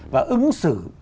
và ứng xử